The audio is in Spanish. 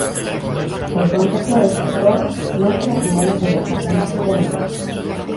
El concepto de sector nace a finales de los años setenta.